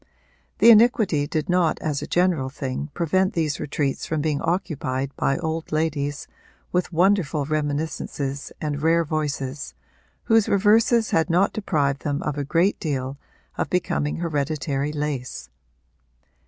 The iniquity did not as a general thing prevent these retreats from being occupied by old ladies with wonderful reminiscences and rare voices, whose reverses had not deprived them of a great deal of becoming hereditary lace.